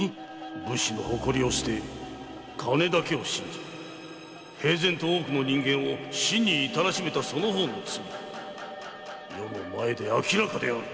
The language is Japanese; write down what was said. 武士の誇りを棄て金だけを信じ平然と多くの人間を死にいたらしめたその方の罪余の前で明らかである！